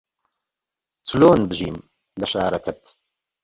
چلۆن بژیم لە شارەکەت